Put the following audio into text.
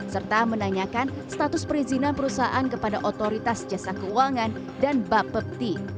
serta menanyakan status perizinan perusahaan kepada otoritas jasa keuangan dan bapepti